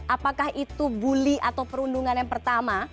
apakah itu bully atau perundungan yang pertama